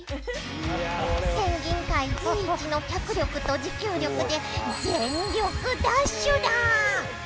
ペンギン界随一の脚力と持久力で全力ダッシュだ！